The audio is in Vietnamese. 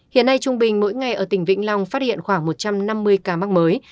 hiện nay trung bình mỗi ngày ở tỉnh vĩnh long phát hiện khoảng một trăm năm mươi ca mắc mới